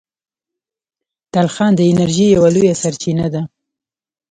تلخان د انرژۍ یوه لویه سرچینه ده.